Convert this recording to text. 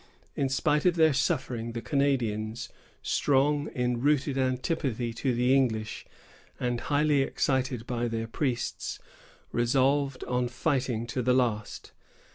In spite of their sufferings, the Canadians, strong in rooted antipathy to the English, and highly excited by their priests, resolved on fighting to the last.